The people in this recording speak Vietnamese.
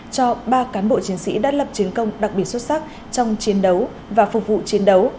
cho ba cán bộ chiến sĩ đã lập chiến công đặc biệt xuất sắc trong chiến đấu và phục vụ chiến đấu